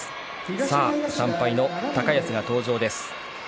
さあ、３敗の高安が登場です。